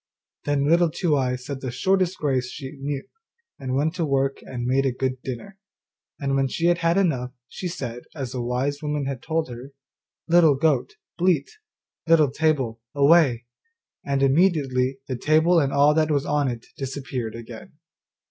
Then Little Two eyes said the shortest grace she knew, and set to work and made a good dinner. And when she had had enough, she said, as the wise woman had told her, 'Little goat, bleat, Little table, away,' and immediately the table and all that was on it disappeared again.